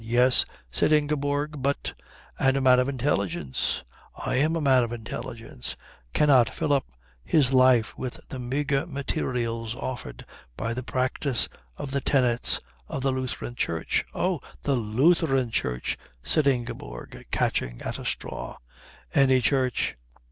"Yes," said Ingeborg, "but " "And a man of intelligence I am a man of intelligence cannot fill up his life with the meagre materials offered by the practice of the tenets of the Lutheran Church." "Oh the Lutheran Church," said Ingeborg, catching at a straw. "Any church."